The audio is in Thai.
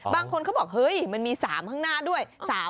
บางคนเขาบอกเฮ้ยมันมี๓ข้างหน้าด้วย